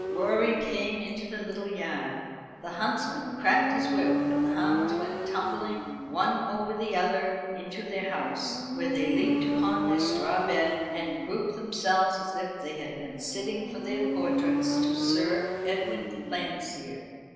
Rorie came into the little yard. The huntsman cracked his whip, and the hounds went tumbling one over the other into their house, where they leaped upon their straw bed, and grouped themselves as if they had been sitting for their portraits to Sir Edwin Landseer.